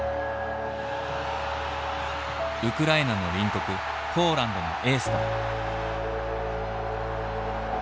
ウクライナの隣国ポーランドのエースだ。